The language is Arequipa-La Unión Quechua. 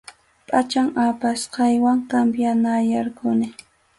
Pʼachan apasqaywan cambianayarquni.